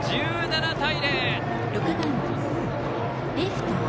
１７対０！